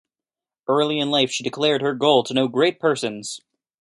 Early in life, she declared her goal to know great persons.